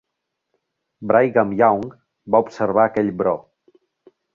Brigham Young va observar aquell Bro.